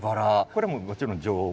これももちろん丈夫。